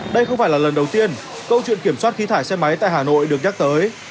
đây không phải là lần đầu tiên câu chuyện kiểm soát khí thải xe máy tại hà nội được nhắc tới